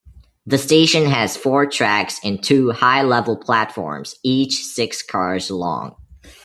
The station has four tracks and two high-level platforms each six cars long.